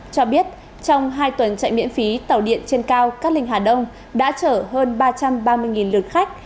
cho biết trong hai tuần chạy miễn phí tàu điện trên cao cát linh hà đông đã chở hơn ba trăm ba mươi lượt khách